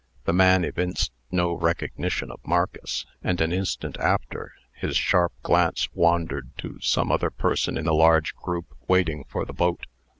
The man evinced no recognition of Marcus, and, an instant after, his sharp glance wandered to some other person in the large group waiting for the boat.